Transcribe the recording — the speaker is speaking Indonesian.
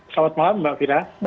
selamat malam mbak fira